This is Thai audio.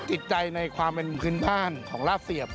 จิตใจในความเป็นพื้นบ้านของลาบเสียบ